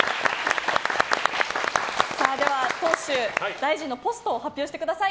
大臣のポストを発表してください。